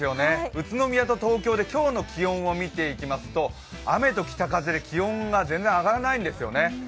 宇都宮と東京を見ていきますと雨と北風で気温が全然上がらないんですよね。